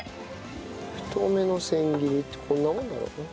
太めの千切りってこんなもんなのかな。